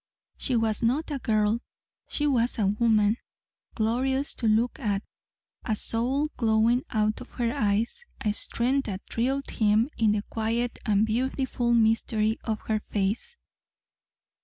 She was not a girl. She was a woman glorious to look at, a soul glowing out of her eyes, a strength that thrilled him in the quiet and beautiful mystery of her face.